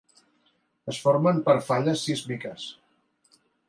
Es formen per falles sísmiques.